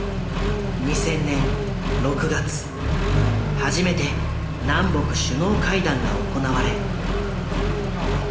初めて南北首脳会談が行われ。